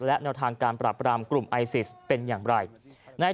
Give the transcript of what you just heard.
และแนวทางการปรับรามกลุ่มไอซิสเป็นอย่างไร